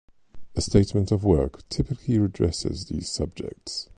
A statement of work typically addresses these subjects.